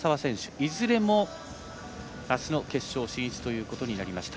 いずれもあすの決勝進出ということになりました。